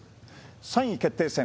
３位決定戦